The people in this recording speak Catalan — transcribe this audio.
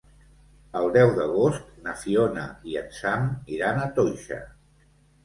El deu d'agost na Fiona i en Sam iran a Toixa.